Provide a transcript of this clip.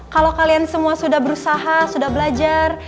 kalau kalian semua sudah berusaha sudah belajar